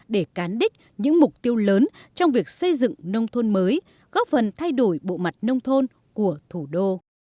để cán đích những mục tiêu lớn trong việc xây dựng nông thôn mới góp phần thay đổi bộ mặt nông thôn của thủ đô